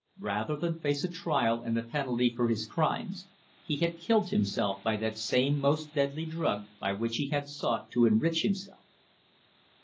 Rather than face a trial and the penalty for his crimes, he had killed himself by that same most deadly drug by which he had sought to enrich himself.